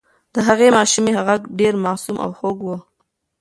د هغې ماشومې غږ ډېر معصوم او خوږ و.